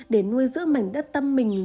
để nuôi giữ mảnh đất tâm mình